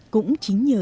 cũng chính nhờ